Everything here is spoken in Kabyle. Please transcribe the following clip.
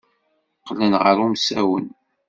Qqlen ɣer umsawen.